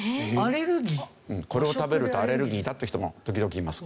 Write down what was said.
これを食べるとアレルギーだって人も時々います。